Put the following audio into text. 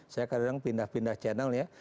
saya kadang pindah pindah channel ya